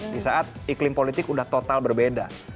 di saat iklim politik udah total berbeda